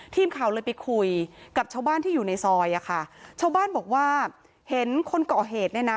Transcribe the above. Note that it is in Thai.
ทีมข่าวเลยไปคุยกับชาวบ้านที่อยู่ในซอยอ่ะค่ะชาวบ้านบอกว่าเห็นคนก่อเหตุเนี่ยนะ